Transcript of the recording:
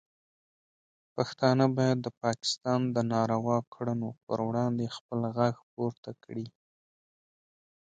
پښتانه باید د پاکستان د ناروا کړنو پر وړاندې خپل غږ پورته کړي.